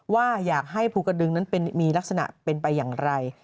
ว่าอยากให้ภูกระดึงนั้นมีลักษณะเป็นไปอย่างไร